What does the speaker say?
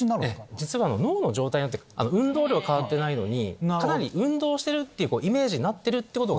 実は脳の状態によって運動量変わってないのにかなり運動してるってイメージになってるってことが。